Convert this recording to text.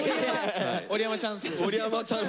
織山チャンス。